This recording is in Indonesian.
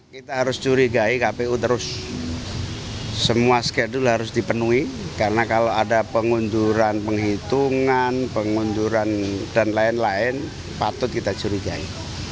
kita harus curigai kpu terus semua skedul harus dipenuhi karena kalau ada pengunduran penghitungan pengunduran dan lain lain patut kita curigai